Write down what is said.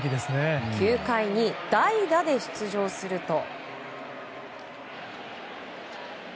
９回に代打で出場すると。